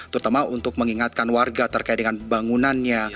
terutama untuk mengingatkan warga terkait dengan bangunannya